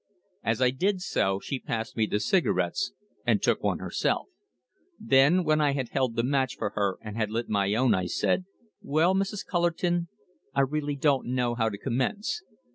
As I did so she passed me the cigarettes, and took one herself. Then, when I had held the match for her and had lit my own, I said: "Well, Mrs. Cullerton, I really don't know how to commence.